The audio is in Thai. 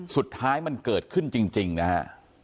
สุดท้ายมันเกิดขึ้นจริงนะฮะ